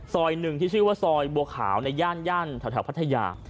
หนึ่งที่ชื่อว่าซอยบัวขาวในย่านย่านแถวพัทยา